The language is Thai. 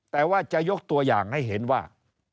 แต่ว่าจะยกตัวอย่างให้เห็นว่า